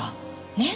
ねっ？